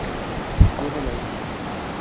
U. de Madrid.